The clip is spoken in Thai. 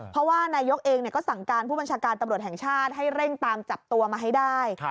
เพราะว่านายกเองก็สั่งการผู้บัญชาการตำรวจแห่งชาติให้เร่งตามจับตัวมาให้ได้